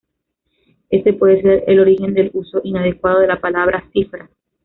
Ese puede ser el origen del uso inadecuado de la palabra "cifra".